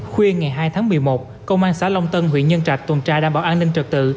khuya ngày hai tháng một mươi một công an xã long tân huyện nhân trạch tuần tra đảm bảo an ninh trật tự